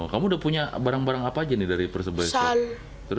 kamu udah punya barang barang apa aja nih dari persebaya